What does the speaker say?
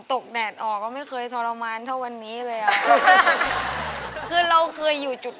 ปกติเซนนี่ก็ร้องเพลงมาตั้งหลายปีเลยเคยมีไหม